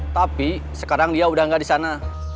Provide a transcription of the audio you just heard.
tapi sekarang dia udah gak disana